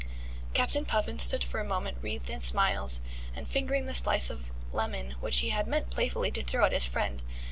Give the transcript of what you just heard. Captain Puffin stood for a moment wreathed in smiles, and fingering the slice of lemon, which he had meant playfully to throw at his friend.